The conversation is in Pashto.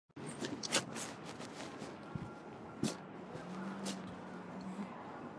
مونږ به پنځه ماشومان ژغورو.